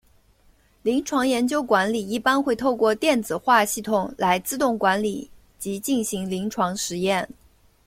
临床研究管理一般会透过电子化系统来自动管理及进行临床试验。